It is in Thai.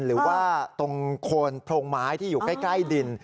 หรือว่าตรงโคนโพรงไม้ที่อยู่ใกล้ดิน